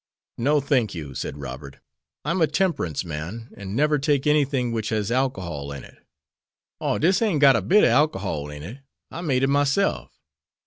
"No, thank you," said Robert. "I'm a temperance man, and never take anything which has alcohol in it." "Oh, dis ain't got a bit ob alcohol in it. I made it myself."